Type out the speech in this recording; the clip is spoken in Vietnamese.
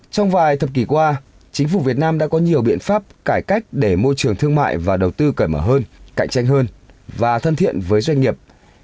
trong vài thập kỷ qua chính phủ việt nam đã có nhiều biện pháp cải cách để môi trường thương mại và đầu tư cởi mở hơn cạnh tranh hơn và thân thiện với doanh nghiệp